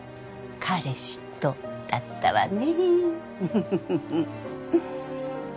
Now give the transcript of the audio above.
彼氏とだったわね